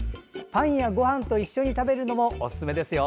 パンやごはんと一緒に食べるのもおすすめですよ。